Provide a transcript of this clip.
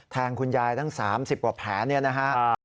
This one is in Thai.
คุณยายตั้ง๓๐กว่าแผลเนี่ยนะฮะ